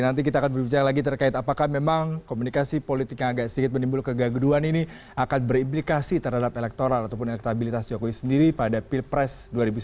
nanti kita akan berbicara lagi terkait apakah memang komunikasi politik yang agak sedikit menimbulkan kegaguan ini akan berimplikasi terhadap elektoral ataupun elektabilitas jokowi sendiri pada pilpres dua ribu sembilan belas